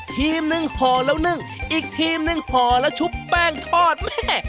ทีมหนึ่งห่อแล้วนึ่งอีกทีมหนึ่งห่อแล้วชุบแป้งทอดแม่